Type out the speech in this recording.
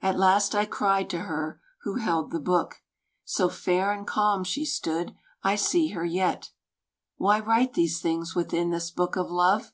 At last I cried to her who held the book, So fair and calm she stood, I see her yet; "Why write these things within this book of Love?